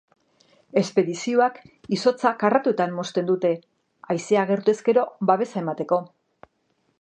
Espedizioak izotza karratuetan mozten dute haizea agertu ezkero babesa emateko.